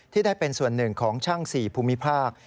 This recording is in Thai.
ได้เป็นส่วนหนึ่งของช่าง๔ภูมิภาค